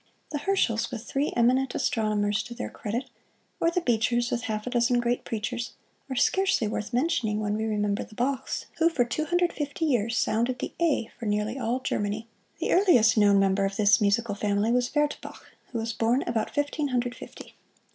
The Herschels with three eminent astronomers to their credit, or the Beechers with half a dozen great preachers, are scarcely worth mentioning when we remember the Bachs, who for two hundred fifty years sounded the "A" for nearly all Germany. The earliest known member of this musical family was Vert Bach, who was born about Fifteen Hundred Fifty.